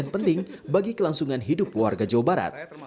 yang penting bagi kelangsungan hidup warga jawa barat